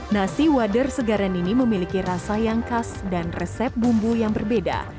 nasi wader segaran ini memiliki rasa yang khas dan resep bumbu yang berbeda